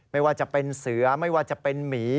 ไม่ว่าจะเป็นเสือไม่ว่าจะเป็นหมี